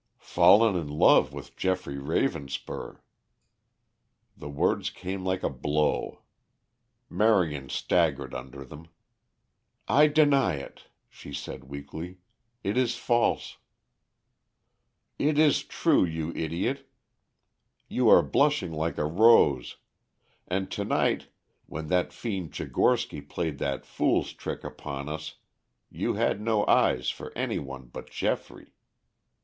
"Fallen in love with Geoffrey Ravenspur." The words came like a blow. Marion staggered under them. "I deny it," she said weakly. "It is false." "It is true, you idiot. You are blushing like a rose. And to night, when that fiend Tchigorsky played that fool's trick upon us you had no eyes for any one but Geoffrey.